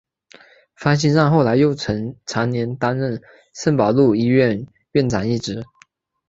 方心让后来又曾长年担任圣保禄医院院长一职。